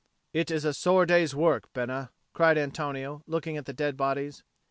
"It is a sore day's work, Bena," cried Antonio, looking at the dead bodies.